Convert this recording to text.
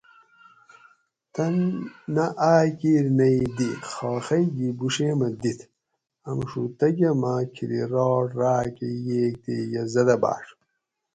تن نہ آک کِیر نہ ئ دی خاخئ گھی بوڛیمہ دِت آمشوتکہ ماں کھیریراٹ راۤکہ ییئ تے یہ زدہ بھاۤڄ